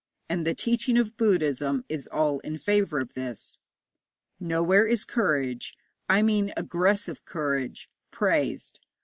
And the teaching of Buddhism is all in favour of this. Nowhere is courage I mean aggressive courage praised.